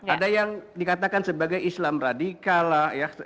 ada yang dikatakan sebagai islam radikal lah ya